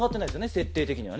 設定的にはね。